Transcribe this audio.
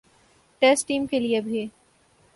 test team کے لیے بھی